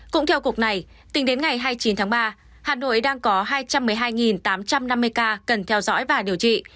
cũng theo cục này tính đến ngày hai mươi chín tháng ba hà nội đang có hai trăm một mươi hai tám trăm năm mươi ca cần theo dõi và điều trị